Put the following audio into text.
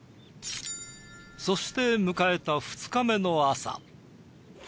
そして迎えた２日目の朝。